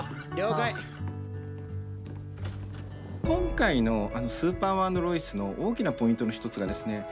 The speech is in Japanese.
今回の「スーパーマン＆ロイス」の大きなポイントの一つがですね